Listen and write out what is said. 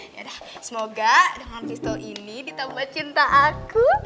yaudah semoga dengan pistol ini ditambah cinta aku